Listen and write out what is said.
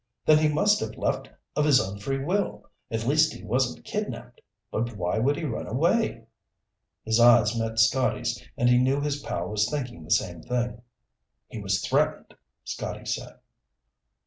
Then he must have left of his own free will. At least he wasn't kidnapped. But why would he run away?" His eyes met Scotty's and he knew his pal was thinking the same thing. "He was threatened," Scotty said.